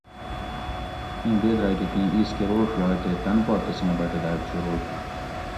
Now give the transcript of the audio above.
ایں بیت راۤ کہ تیں ایس کہ روڛ یائ تے تن پا تسیں بٹہ دۤگ شروع کِیر